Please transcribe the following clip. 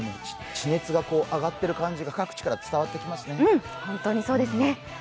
地熱が上がっている感じが各地から伝わってきますね。